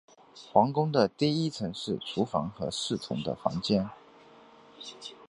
皇宫的第一层是厨房和侍从的房间。